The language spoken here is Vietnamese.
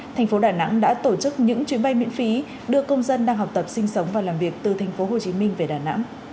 thành phố đà nẵng đã tổ chức những chuyến bay miễn phí đưa công dân đang học tập sinh sống và làm việc từ thành phố hồ chí minh về đà nẵng